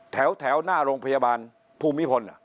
แถวหน้าโรงพยาบาลภูมิพล